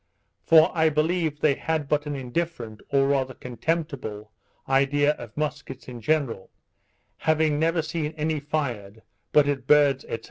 For I believe they had but an indifferent, or rather contemptible, idea of muskets in general, having never seen any fired but at birds, &c.